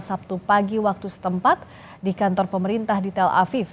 sabtu pagi waktu setempat di kantor pemerintah di tel aviv